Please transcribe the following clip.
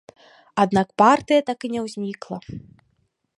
Аднак партыя так і не ўзнікла.